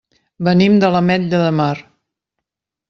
Venim de l'Ametlla de Mar.